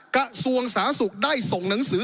กระทศวงศ์สพได้ส่งหนังสือ